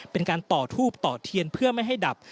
เป็นการต่อทูบต่อเทียนเพื่อไม่ให้ดับ